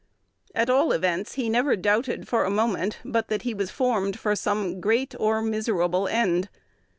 At all events, he never doubted for a moment but that he was formed for "some great or miserable end."